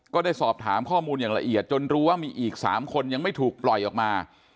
ก็ได้สอบถามข้อมูลอย่างละเอียดจนรู้ว่ามีอีก๓คนยังไม่ถูกปล่อยออกมา